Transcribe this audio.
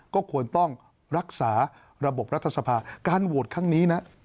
ก็ควรต้องรักษาระบบรัฐสภาการโหวตครั้งนี้นะ